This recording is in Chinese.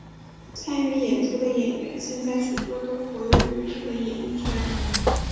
参与演出的演员现在许多都活跃于日本演艺圈。